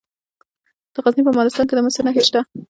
د غزني په مالستان کې د مسو نښې شته.